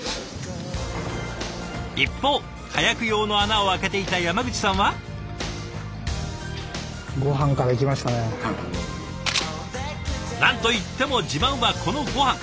一方火薬用の穴を開けていた山口さんは？何と言っても自慢はこのごはん。